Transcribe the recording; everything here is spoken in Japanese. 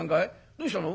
どうしたの？